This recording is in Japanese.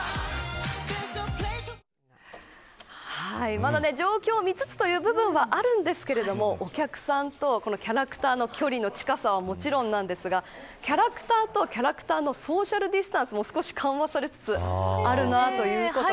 まだ状況を見つつという部分はありますがお客さんとキャラクターの距離の近さはもちろんですがキャラクターとキャラクターのソーシャルディスタンスも少し緩和されつつあるなということで。